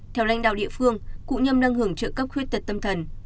theo lãnh đạo địa phương cụ nhâm đang hưởng trợ cấp khuyết tật tâm thần